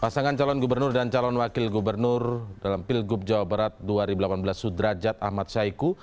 pasangan calon gubernur dan calon wakil gubernur dalam pilgub jawa barat dua ribu delapan belas sudrajat ahmad syahiku